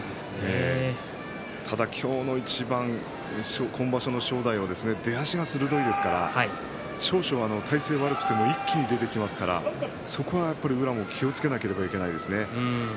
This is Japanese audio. ただ今日の一番、今場所の正代は出足が鋭いですから少々、体勢が悪くでも一気に出てきますからそこは宇良も気をつけなければいけないですね。